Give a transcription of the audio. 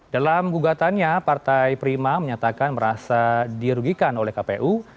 dalam gugatannya partai prima menyatakan merasa dirugikan oleh kpu